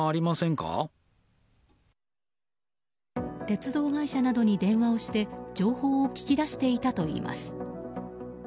鉄道会社などに電話をして情報を聞き出していたといいます。